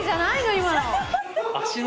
今の。